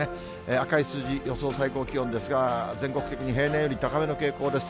赤い数字、予想最高気温ですが、全国的に平年より高めの傾向です。